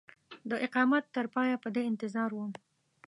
د اقامت تر پایه په دې انتظار وم.